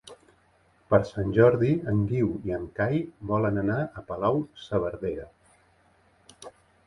Per Sant Jordi en Guiu i en Cai volen anar a Palau-saverdera.